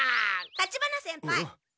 立花先輩。